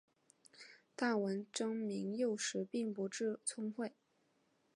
但文征明幼时并不聪慧。